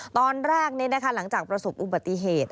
ตอนแรกนี้นะคะหลังจากประสบอุบัติเหตุ